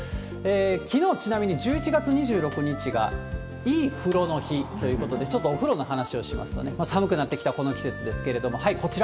きのう、ちなみに１１月２６日がいい風呂の日ということで、ちょっとお風呂の話をしますと、寒くなってきたこの季節ですけれども、こちら。